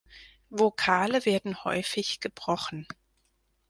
Vokale werden häufig gebrochen.